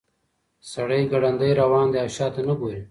سړی ګړندی روان دی او شاته نه ګوري.